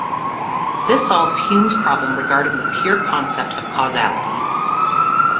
This solves Hume's problem regarding the pure concept of causality.